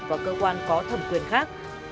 và cơ quan có thẩm quyền khác